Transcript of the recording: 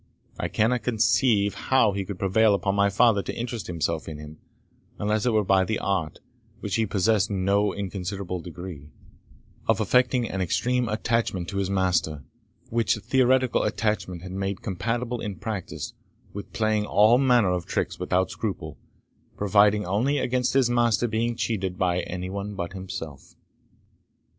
I cannot conceive how he could prevail upon my father to interest himself in him, unless it were by the art, which he possessed in no inconsiderable degree, of affecting an extreme attachment to his master; which theoretical attachment he made compatible in practice with playing all manner of tricks without scruple, providing only against his master being cheated by any one but himself.